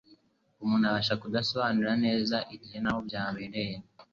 Umuntu abasha kudasobanura neza igihe n’aho byabereye,